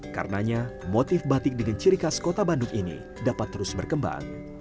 karenanya motif batik dengan ciri khas kota bandung ini dapat terus berkembang